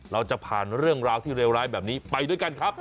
เราจะผ่านเรื่องราวที่เลวร้ายแบบนี้ไปด้วยกันครับ